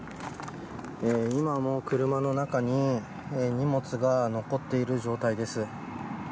今も車の中に荷物が残っている状態です。